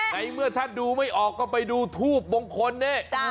ในเมื่อท่านดูไม่ออกก็ไปดูทูบมงคลนี่